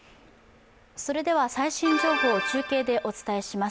最新情報を中継でお伝えします。